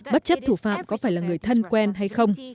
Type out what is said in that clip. bất chấp thủ phạm có phải là người thân quen hay không